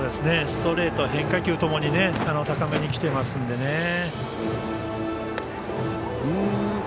ストレート、変化球ともに高めに来ていますのでね。